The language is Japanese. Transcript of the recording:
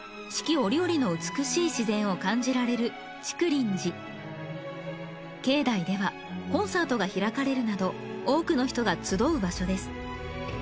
折々の美しい自然を感じられる竹林寺境内ではコンサートが開かれるなど多くの人が集う場所です